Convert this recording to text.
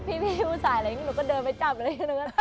โปรดติดตามตอนต่อไป